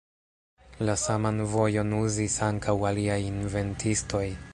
La saman vojon uzis ankaŭ aliaj inventistoj.